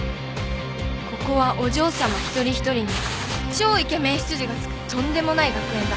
ここはお嬢さま一人一人に超イケメン執事がつくとんでもない学園だ